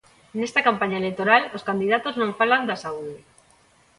Nesta campaña electoral os candidatos non falan da saúde.